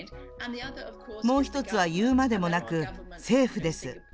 もう１つは言うまでもなく政府です。